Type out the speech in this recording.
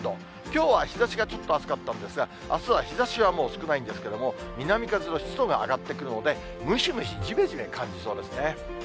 きょうは日ざしがちょっと暑かったんですが、あすは日ざしはもう少ないんですけれども、南風の湿度が上がってくるので、ムシムシ、じめじめ感じそうですね。